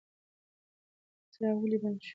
څراغ ولې بند شو؟